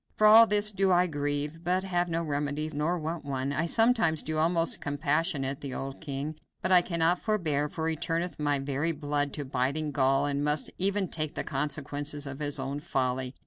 For all this do I grieve, but have no remedy, nor want one. I sometimes do almost compassionate the old king, but I cannot forbear, for he turneth my very blood to biting gall, and must e'en take the consequences of his own folly.